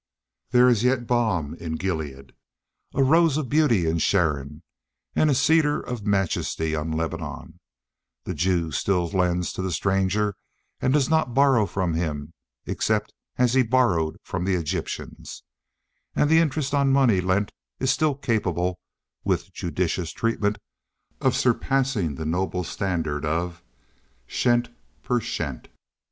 There is yet balm in Gilead, a rose of beauty in Sharon, and a cedar of majesty on Lebanon; the Jew still lends to the stranger, and does not borrow from him, except as he "borrowed" from the Egygtian—and the interest on money lent is still capable, with judicious treatment, of surpassing the noble standard of "shent per shent."